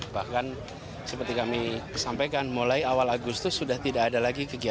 bahkan seperti kami sampaikan mulai awal agustus sudah tidak ada lagi kegiatan